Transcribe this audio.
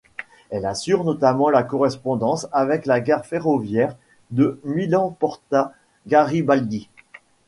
Elle assure notamment la correspondance avec la gare ferroviaire de Milan-Porta Garibaldi.